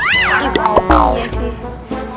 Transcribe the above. sampai juga sun